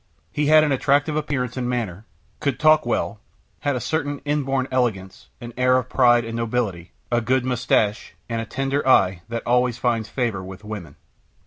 He had an attractive appearance and manner, could talk well, had a certain inborn elegance, an air of pride and nobility, a good mustache, and a tender eye, that always finds favor with women.